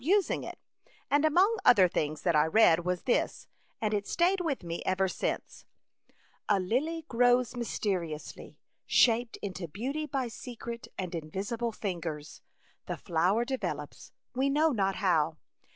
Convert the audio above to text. using it, and among other things that I read was this, and it stayed with me ever since :' A lily grows myste riously, shaped into beauty by se cret and invisible fingers, the flower develops, we know not how.